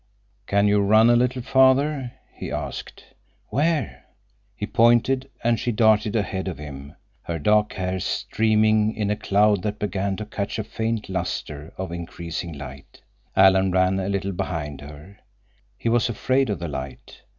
"Can you run a little farther?" he asked. "Where?" He pointed, and she darted ahead of him, her dark hair streaming in a cloud that began to catch a faint luster of increasing light. Alan ran a little behind her. He was afraid of the light.